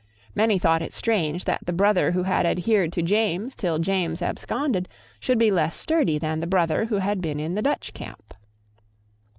Many thought it strange that the brother who had adhered to James till James absconded should be less sturdy than the brother who had been in the Dutch camp.